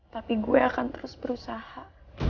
tapi gue akan terus berusaha